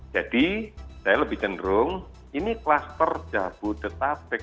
jadi saya lebih cenderung ini klaster jago detapek